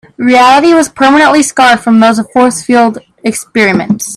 Reality was permanently scarred from those force field experiments.